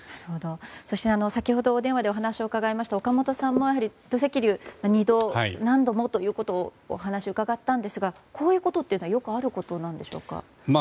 そして先ほどお電話でお話を伺いました岡本さんも土石流、何度もということをお話を伺ったんですがこういうことっていうのはよくあることなんでしょうか。